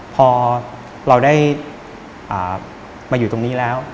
พอเราได้มาอยู่ตรงนี้แล้ว